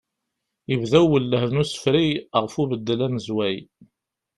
Ibda uwelleh n ussefrey ɣef ubeddel anezway.